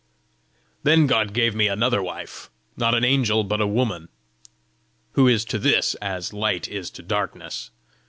"Then God gave me another wife not an angel but a woman who is to this as light is to darkness."